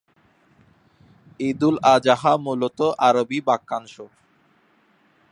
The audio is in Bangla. ঈদুল আযহা মূলত আরবি বাক্যাংশ।